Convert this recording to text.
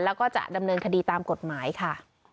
แล้วก็จะดำเนินคดีตามกฎหมายค่ะ